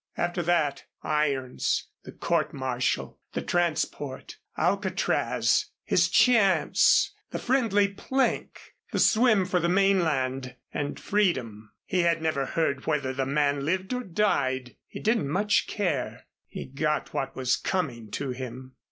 After that irons, the court martial, the transport, Alcatraz, his chance, the friendly plank, the swim for the mainland, and freedom. He had never heard whether the man lived or died. He didn't much care. He got what was coming to him.